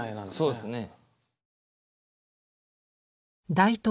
そうですね。